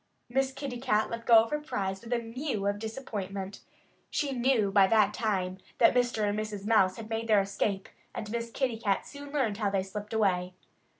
Miss Kitty Cat let go of her prize with a mew of disappointment. She knew that by that time Mr. and Mrs. Mouse had made their escape. And Miss Kitty soon learned how they slipped away.